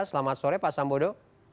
selamat sore pak sambodo